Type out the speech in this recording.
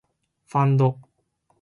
ファンド